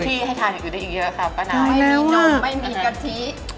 พี่ให้ทานอยู่ได้อีกเยอะค่ะป้านาวให้มีนมไม่มีกะทิ